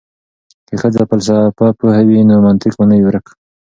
که ښځې فلسفه پوهې وي نو منطق به نه وي ورک.